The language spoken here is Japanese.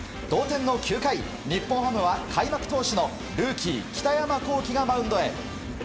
同点の９回日本ハムは開幕投手のルーキー、北山亘基がマウンドへ。